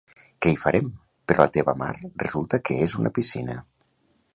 Què hi farem, però la teva mar resulta que és una piscina.